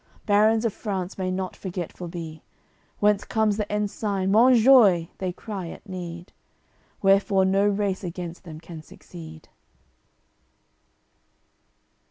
Barons of France may not forgetful be Whence comes the ensign "Monjoie," they cry at need; Wherefore no race against them can succeed.